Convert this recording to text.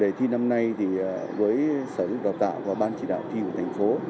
đề thi năm nay với sở hữu đào tạo và ban chỉ đạo thi của thành phố